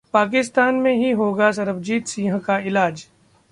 पाकिस्तान में ही होगा सरबजीत सिंह का इलाज